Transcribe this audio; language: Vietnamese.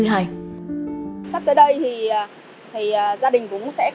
sắp tới đây thì gia đình cũng sẽ